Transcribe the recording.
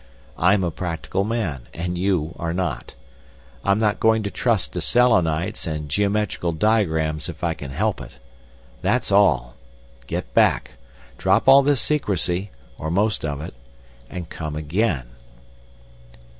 I'm a practical man, and you are not. I'm not going to trust to Selenites and geometrical diagrams if I can help it. That's all. Get back. Drop all this secrecy—or most of it. And come again."